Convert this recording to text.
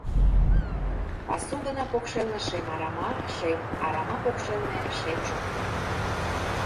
Пасу гына покшелне шем арама, Шем арама покшелне — шем шоптыр.